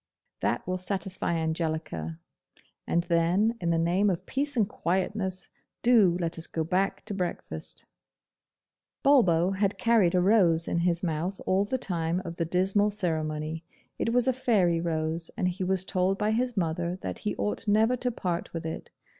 That will satisfy Angelica, and then, in the name of peace and quietness, do let us go back to breakfast.' Bulbo had carried a rose in his mouth all the time of the dismal ceremony. It was a fairy rose, and he was told by his mother that he ought never to part with it.